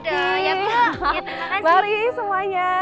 terima kasih mari semuanya